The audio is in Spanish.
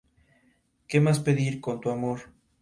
¿Qué más pedir? Con tu amor.